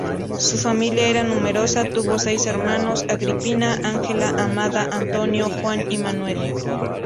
Su familia era numerosa, tuvo seis hermanos: Agripina, Ángela, Amada, Antonio, Juan y Manuel.